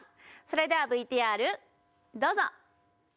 それではＶＴＲどうぞ！